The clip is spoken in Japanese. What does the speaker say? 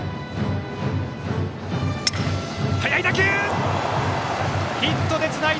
速い打球！